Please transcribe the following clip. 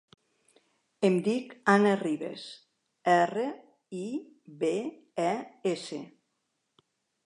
Em dic Ana Ribes: erra, i, be, e, essa.